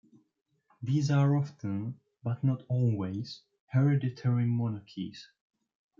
These are often, but not always, hereditary monarchies.